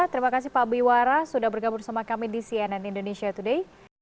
terima kasih pak biwara sudah bergabung sama kami di cnn indonesia today